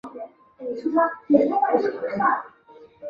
东石寨的历史年代为清。